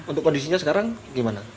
untuk kondisinya sekarang gimana